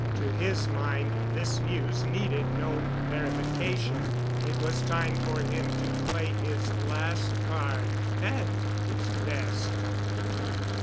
To his mind this news needed no verification. It was time for him to play his last card—and his best.